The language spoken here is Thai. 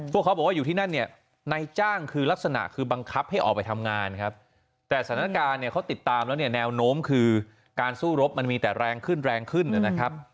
เขาบอกว่าอยู่ที่นั่นเนี่ยนายจ้างคือลักษณะคือบังคับให้ออกไปทำงานครับแต่สถานการณ์เนี่ยเขาติดตามแล้วเนี่ยแนวโน้มคือการสู้รบมันมีแต่แรงขึ้นแรงขึ้นนะครับ